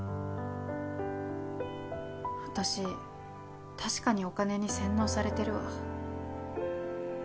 私確かにお金に洗脳されてるわ。